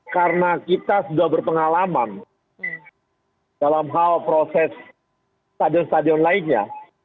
karena kita sudah berpengalaman dalam hal proses stadion stadion lainnya